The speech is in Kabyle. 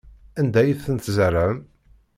Anda ay tent-tzerɛem?